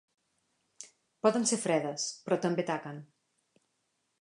Poden ser fredes, però també taquen.